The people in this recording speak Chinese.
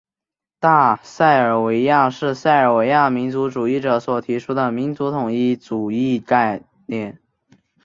大塞尔维亚是塞尔维亚民族主义者所提出的民族统一主义概念。